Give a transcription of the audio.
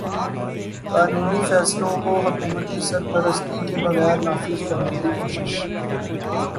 قانونی فیصلوں کو حکومتی سرپرستی کے بغیر نافذ کرنے کی کوشش